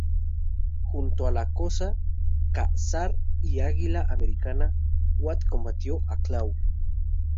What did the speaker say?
Junto a la Cosa, Ka-Zar, y Águila Americana, Wyatt combatió a Klaw.